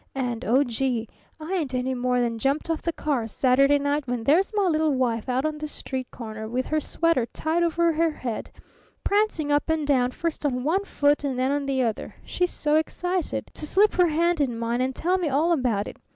And oh, gee! I ain't any more than jumped off the car Saturday night when there's my little wife out on the street corner with her sweater tied over her head, prancing up and down first on one foot and then on the other she's so excited, to slip her hand in mine and tell me all about it.